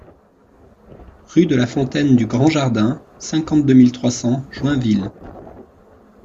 Rue de la Fontaine du Grand Jardin, cinquante-deux mille trois cents Joinville